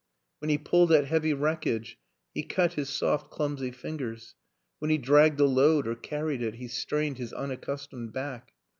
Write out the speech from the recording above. When he pulled at heavy wreckage he cut his soft clumsy fingers ; when he dragged a load or carried it he strained his unaccustomed back.